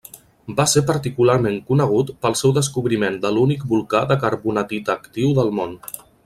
Va ser particularment conegut pel seu descobriment de l'únic volcà de carbonatita actiu del món.